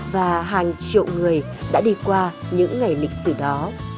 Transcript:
và hàng triệu người đã đi qua những ngày lịch sử đó